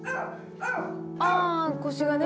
ああ腰がね。